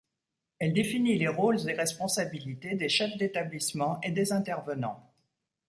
Elle définit les rôles et responsabilités des chefs d'établissement et des intervenants.